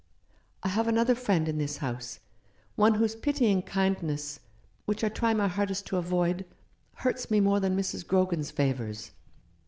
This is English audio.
I have another friend in this house, one whose pitying kindness — which I try my hardest to avoid — hurts me more than Mrs. Grogan's favours.